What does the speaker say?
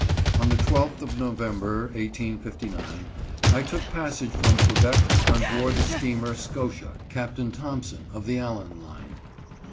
On the 12th of November, 1859, I took passage from Quebec on board the steamer Scotia, Captain Thompson, of the Allan line.